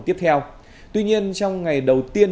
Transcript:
tiếp theo tuy nhiên trong ngày đầu tiên